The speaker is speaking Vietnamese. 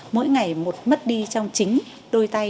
mỗi ngày một mất đi trong chính đôi tay